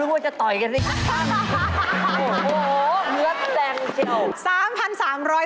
โอ้โฮเนื้อแปลงเขี่ยว